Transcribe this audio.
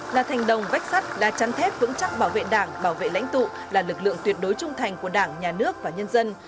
là thành đồng vách sắt đa chăn thép vững chắc bảo vệ đảng bảo vệ lãnh tụ là lực lượng tuyệt đối trung thành của đảng nhà nước và nhân dân